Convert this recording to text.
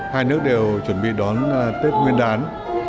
hai nước đều chuẩn bị đón tết nguyên đán